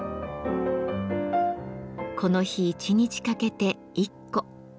この日一日かけて１個。